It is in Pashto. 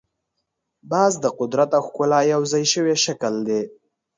باز د قدرت او ښکلا یو ځای شوی شکل دی